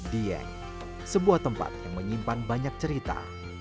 dieng sebuah tempat yang menyimpan banyak cerita